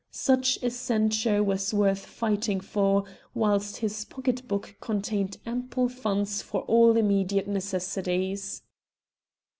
Such a ceinture was worth fighting for, whilst his pocket book contained ample funds for all immediate necessities.